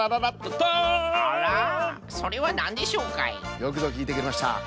よくぞきいてくれました。